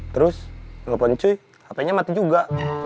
terus nelfon cuy hpnya mati juga